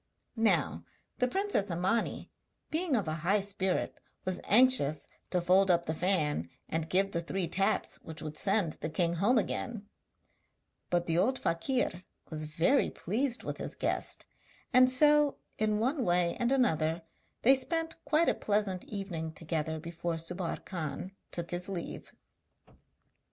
Now the princess Imani, being of a high spirit, was anxious to fold up the fan, and give the three taps which would send the king home again; but the old fakir was very pleased with his guest, and so in one way and another they spent quite a pleasant evening together before Subbar Khan took his leave.